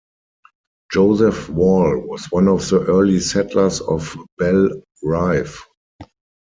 Joseph Wall was one of the early settlers of Belle Rive.